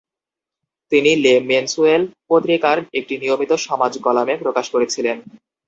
তিনি "Le Mensuel" পত্রিকার একটি নিয়মিত সমাজ কলাম প্রকাশ করেছিলেন।